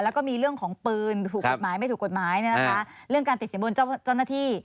แล้วก็มีเรื่องของปืนถูกกฎหมายไม่ถูกกฎหมายนะคะ